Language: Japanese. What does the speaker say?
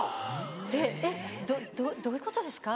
で「えっどういうことですか？